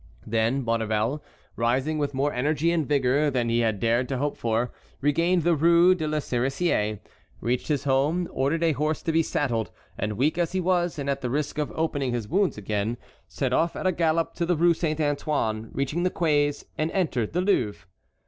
Then Maurevel, rising with more energy and vigor than he had dared to hope for, regained the Rue de la Cerisaie, reached his home, ordered a horse to be saddled, and weak as he was and at the risk of opening his wounds again, set off at a gallop to the Rue Saint Antoine, reached the quays, and entered the Louvre.